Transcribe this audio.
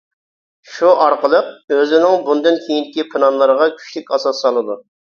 شۇ ئارقىلىق، ئۆزىنىڭ بۇندىن كېيىنكى پىلانلىرىغا كۈچلۈك ئاساس سالىدۇ.